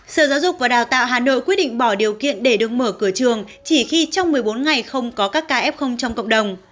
sở giáo dục và đào tạo hà nội quyết định bỏ điều kiện để được mở cửa trường chỉ khi trong một mươi bốn ngày không có các ca f trong cộng đồng